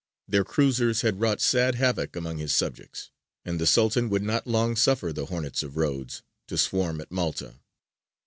Their cruisers had wrought sad havoc among his subjects, and the Sultan would not long suffer the hornets of Rhodes to swarm at Malta.